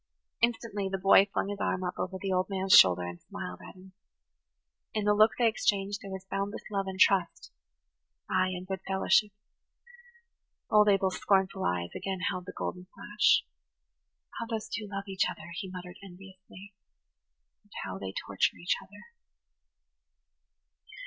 Instantly the boy flung his arm up over the old man's shoulder and smiled at him. In the look they exchanged there was boundless love and trust–ay, and good fellowship. Old Abel's scornful eyes again held the golden flash. "How those two love each other!" he muttered enviously. "And how they torture each other!"